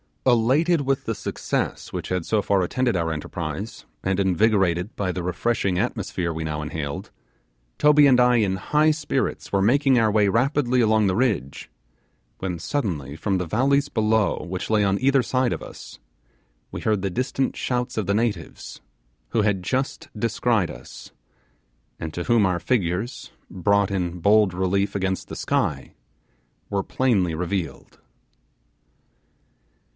Elated with the success which had so far attended our enterprise, and invigorated by the refreshing atmosphere we now inhaled, Toby and I in high spirits were making our way rapidly along the ridge, when suddenly from the valleys below which lay on either side of us we heard the distant shouts of the natives, who had just descried us, and to whom our figures, brought in bold relief against the sky, were plainly revealed.